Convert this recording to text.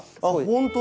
本当だ！